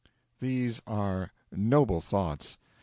'These are noble thoughts.